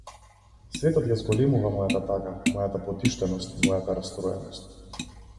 Светот ја зголемува мојата тага, мојата потиштеност, мојата растроеност.